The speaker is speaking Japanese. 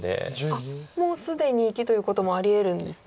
あっもう既に生きということもありえるんですね。